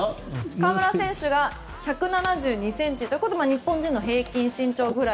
河村選手が１７２ｃｍということで日本人の平均身長ぐらい。